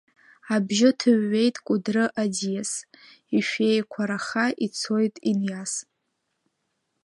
Абжьы ҭыҩуеит Кәыдры аӡиас, Ишәеиқәараха ицоит иниас…